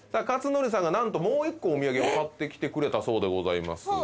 克典さんが何ともう一個お土産を買ってきてくれたそうでございます。